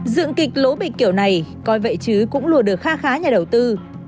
dựng kịch lỗ bịch kiểu này coi vậy chứ cũng lùa được kha khá nhà đầu tư